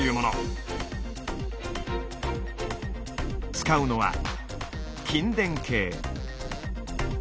使うのは筋電計。